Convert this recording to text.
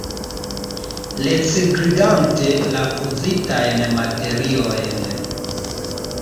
Recikligante la uzitajn materiojn.